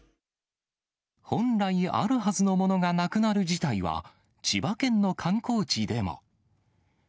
本来あるはずのものがなくなる事態は、千葉県の観光地でも。